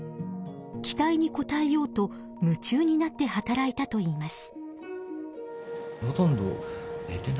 期待にこたえようと夢中になって働いたといいます。